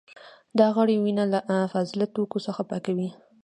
دا غړي وینه له فاضله توکو څخه پاکوي.